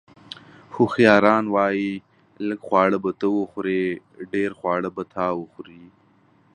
اوښیاران وایي: لږ خواړه به ته وخورې، ډېر خواړه به تا وخوري.